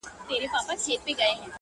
داسي هم نور ورباندي سته نومونه٫